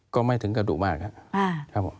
ก็ไม่ถึงกระดูกมากครับผม